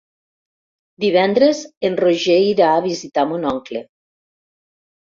Divendres en Roger irà a visitar mon oncle.